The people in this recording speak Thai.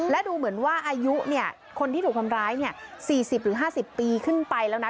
และดูเหมือนว่าอายุคนที่ถูกทำร้าย๔๐หรือ๕๐ปีขึ้นไปแล้วนะ